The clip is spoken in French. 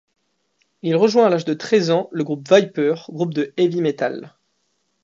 Il rejoint à l'âge de treize ans le groupe Viper, groupe de heavy metal.